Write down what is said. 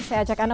saya ajak anda